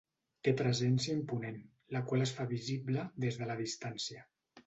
Té presència imponent, la qual es fa visible des de la distància.